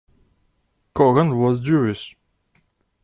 Kogan was Jewish.